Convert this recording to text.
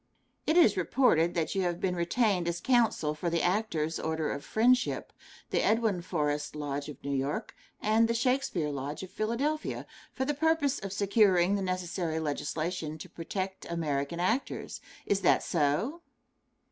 It is reported that you have been retained as counsel for the Actors' Order of Friendship the Edwin Forrest Lodge of New York, and the Shakespeare Lodge of Philadelphia for the purpose of securing the necessary legislation to protect American actors is that so?